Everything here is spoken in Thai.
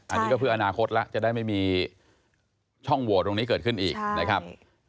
อันนี้ก็เพื่ออนาคตแล้วจะได้ไม่มีช่องโหวตตรงนี้เกิดขึ้นอีกนะครับ